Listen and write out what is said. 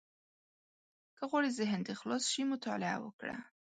• که غواړې ذهن دې خلاص شي، مطالعه وکړه.